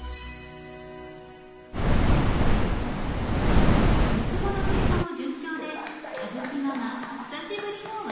［術後の経過も順調で佳月ママ久しぶりのわが家です］